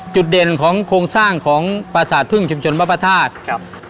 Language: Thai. จุดเด่นของโครงสร้างของประสาทพึ่งชุมชนพระพระธาตุครับ